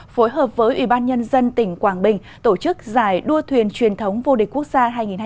phối hợp với ủy ban nhân dân tỉnh quảng bình tổ chức giải đua thuyền truyền thống vô địch quốc gia hai nghìn hai mươi bốn